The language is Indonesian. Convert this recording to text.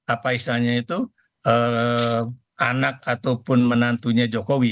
apa istilahnya itu anak ataupun menantunya jokowi